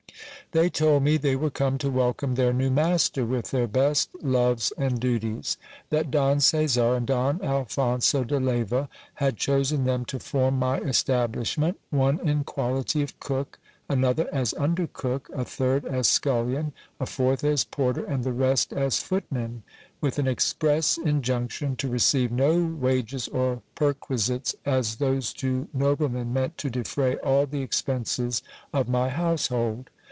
They told me they were come to welcome their new master with their best loves and duties : 344 GIL BLAS. that Don Caesar and Don Alphonso de Leyva had chosen them to form my establishment, one in quality of" cook, another as under cook, a third as scullion, a fourth as porter, and the rest as footmen ; with an express injunction to receive no wages or perquisites, as those two noblemen meant to defray all the expenses of my household.